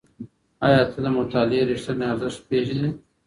ایا ته د مطالعې ریښتینی ارزښت پېژنې؟